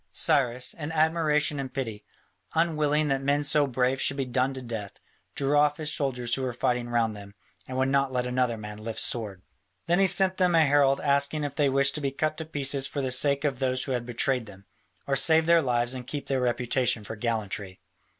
Cyrus, in admiration and pity, unwilling that men so brave should be done to death, drew off his soldiers who were fighting round them, and would not let another man lift sword. Then he sent them a herald asking if they wished to be cut to pieces for the sake of those who had betrayed them, or save their lives and keep their reputation for gallantry?